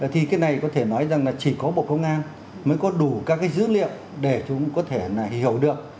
thì cái này có thể nói rằng là chỉ có bộ công an mới có đủ các cái dữ liệu để chúng có thể hiểu được